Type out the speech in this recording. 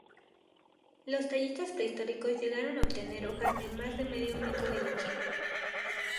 Los tallistas prehistóricos llegaron a obtener hojas de más de medio metro de longitud.